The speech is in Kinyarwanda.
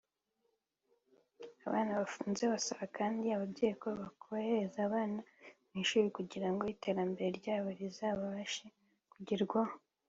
Abana bafunze basabye kandi ababyeyi ko bakohereza abana mu ishuri kugirango iterambere ryabo rizabashe kugerwaho